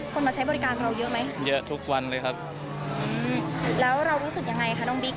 มาใช้บริการเราเยอะไหมเยอะทุกวันเลยครับอืมแล้วเรารู้สึกยังไงคะน้องบิ๊ก